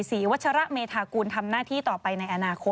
วัชระเมธากุลทำหน้าที่ต่อไปในอนาคต